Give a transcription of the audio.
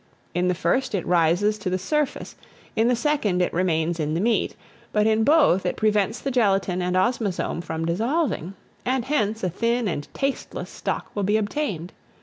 In the first it rises to the surface, in the second it remains in the meat, but in both it prevents the gelatine and osmazome from dissolving; and hence a thin and tasteless stock will be obtained.